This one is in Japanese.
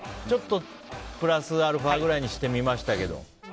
ちょっとプラスアルファぐらいにしてみましたけど。